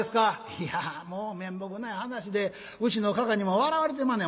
「いやもう面目ない話でうちのかかにも笑われてまんねん。